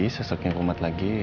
seseknya kumat lagi